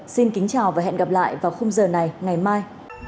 xin kính chào và hẹn gặp lại vào khung giờ này ngày mai